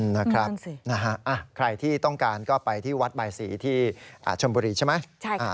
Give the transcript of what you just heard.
นะครับใครที่ต้องการก็ไปที่วัดบายสีที่ชมบุรีใช่ไหม